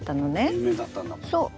有名だったんだもう。